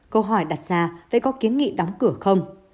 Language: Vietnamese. câu hỏi đặt ra lại có kiến nghị đóng cửa không